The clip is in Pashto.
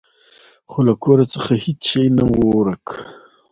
خو له کور څخه هیڅ شی نه و ورک.